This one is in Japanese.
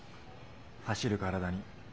「走る身体」に。